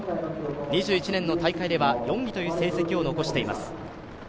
２１年の大会では４位という成績を残しています。